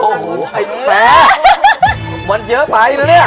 โอ้โหไอ้แฟมันเยอะไปนะเนี่ย